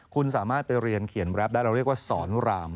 คุณสามารถไปเรียนเขียนแรปได้เราเรียกว่าสอนราม